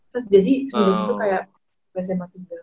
terus jadi semenjak itu kayak biasanya masih gitu